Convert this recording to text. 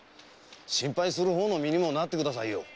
心配する方の身にもなってくださいよ。